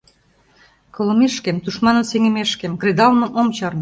Колымешкем, тушманым сеҥымешкем, кредалмым ом чарне.